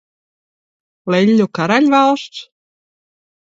Leļļu karaļvalsts?